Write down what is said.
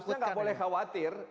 seharusnya gak boleh khawatir